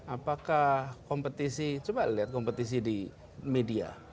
apakah kompetisi coba lihat kompetisi di media